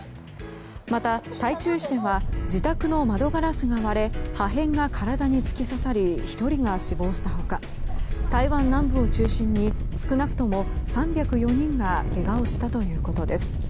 また、台中市では自宅の窓ガラスが割れ破片が体に突き刺さり１人が死亡した他台湾南部を中心に少なくとも３０４人がけがをしたということです。